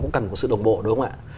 cũng cần một sự đồng bộ đúng không ạ